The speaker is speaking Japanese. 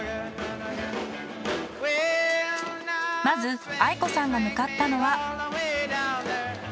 まず愛子さんが向かったのは。